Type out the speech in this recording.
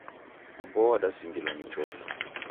Aboo wadasingilwa ni chofi.